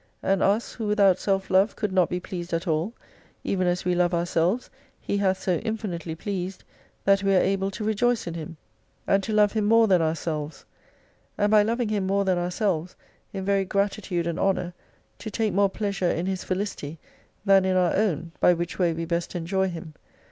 And us, who without self love could not be pleased at all, even as we love ourselves He hath so infinitely pleased, that we are able to rejoice in Him, s 273 and to love Him more than ourselves. And by loving Him more than ourselves, in very gratitude and honour, to take more pleasure in His felicity, than in our own, by which way we best enjoy Him.